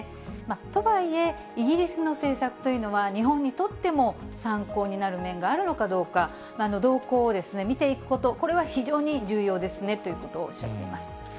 とはいえ、イギリスの政策というのは、日本にとっても参考になる面があるのかどうか、動向を見ていくこと、これは非常に重要ですねということをおっしゃっています。